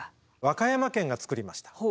和歌山県が作りました。